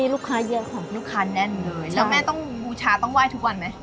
แล้วแม่ต้องบูชาต้องไหว้ทุกวันไหม